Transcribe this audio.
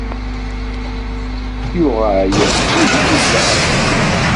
Yuɣal d agellid ɣef tmurt.